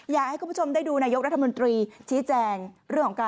อยากให้คุณผู้ชมได้ดูนายกรัฐมนตรีชี้แจง